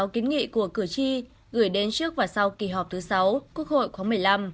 sáu kiến nghị của cử tri gửi đến trước và sau kỳ họp thứ sáu quốc hội khóa một mươi năm